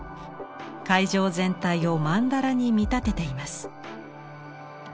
会場全体を「曼荼羅」に見立てています。